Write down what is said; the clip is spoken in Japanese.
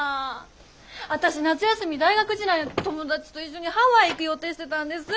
私夏休み大学時代の友達と一緒にハワイ行く予定してたんです！